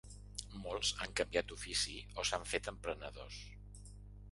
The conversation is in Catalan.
Molts han canviat d’ofici o s’han fet emprenedors.